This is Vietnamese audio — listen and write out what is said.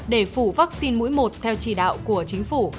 để phủ vaccine mũi một theo chỉ đạo của chính phủ